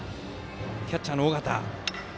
キャッチャーの尾形。